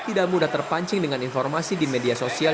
tidak mudah terpancing dengan informasi di media sosial